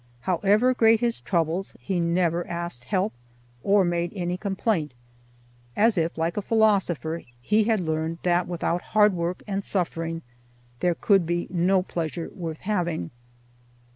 However great his troubles he never asked help or made any complaint, as if, like a philosopher, he had learned that without hard work and suffering there could be no pleasure worth having.